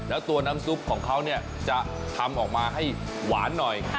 แล้วตัวน้ำซุปของเขาเนี่ยจะทำออกมาให้หวานหน่อย